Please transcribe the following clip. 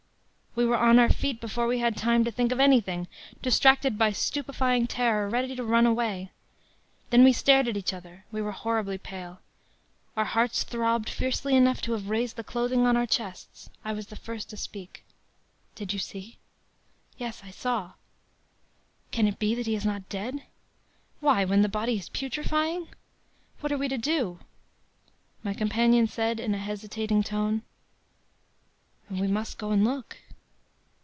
“We were on our feet before we had time to think of anything, distracted by stupefying terror, ready to run away. Then we stared at each other. We were horribly pale. Our hearts throbbed fiercely enough to have raised the clothing on our chests. I was the first to speak: “'Did you see?' “'Yes, I saw.' “'Can it be that he is not dead?' “'Why, when the body is putrefying?' “'What are we to do?' “My companion said in a hesitating tone: “'We must go and look.'